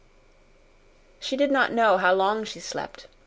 She did not know how long she slept.